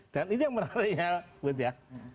dan ini yang menariknya